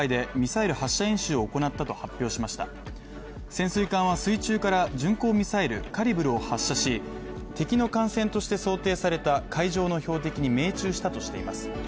潜水艦は水中から巡航ミサイル、カリブルを発射し、敵の艦船として想定された海上の標的に命中したとされています。